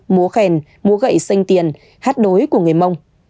múa khen múa gậy xanh tiền hát đối của người mông